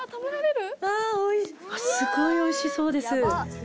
すごいおいしそうです。